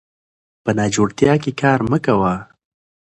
په ناجوړتيا کې کار مه کوه